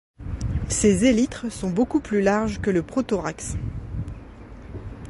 Ses élytres sont beaucoup plus larges que le prothorax.